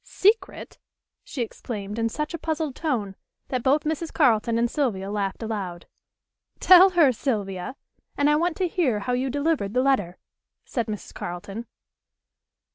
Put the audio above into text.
Secret?" she exclaimed in such a puzzled tone that both Mrs. Carleton and Sylvia laughed aloud. "Tell her, Sylvia! And I want to hear how you delivered the letter," said Mrs. Carleton.